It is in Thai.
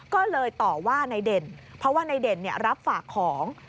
ก็เลยต่อว่านายเด่นเพราะว่านายเด่นรับฝากของ